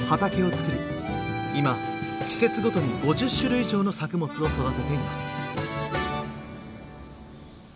今季節ごとに５０種類以上の作物を育てています。